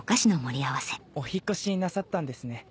お引っ越しなさったんですね。